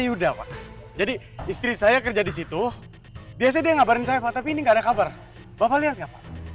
yuda pak jadi istri saya kerja di situ biasanya dia ngabarin saya pak tapi ini enggak ada kabar bapak lihat nggak pak